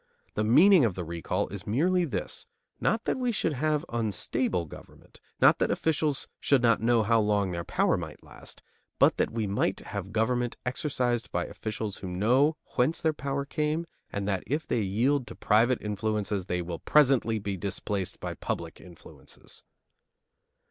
The meaning of the recall is merely this, not that we should have unstable government, not that officials should not know how long their power might last, but that we might have government exercised by officials who know whence their power came and that if they yield to private influences they will presently be displaced by public influences.